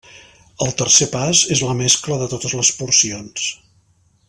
El tercer pas és la mescla de totes les porcions.